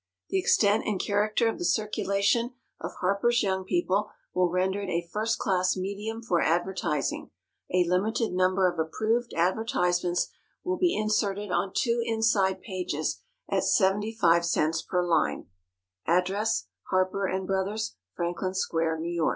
The extent and character of the circulation of HARPER'S YOUNG PEOPLE will render it a first class medium for advertising. A limited number of approved advertisements will be inserted on two inside pages at 75 cents per line. Address HARPER & BROTHERS, Franklin Square, N. Y.